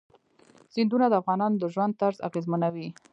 سیندونه د افغانانو د ژوند طرز اغېزمنوي.